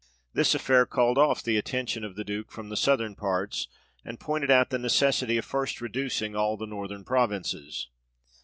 This affair called off the attention of the Duke from the southern parts, and pointed out the necessity of first reducing all the northern provinces.